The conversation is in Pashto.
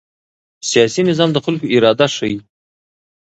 سیاسي نظام د خلکو اراده ښيي